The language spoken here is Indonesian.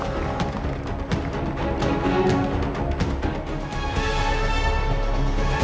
ya itu semua awas